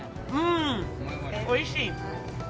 おいしい。